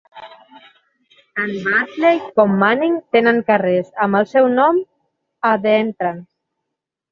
Tant Battley com Manning tenen carrers amb el seu nom a The Entrance.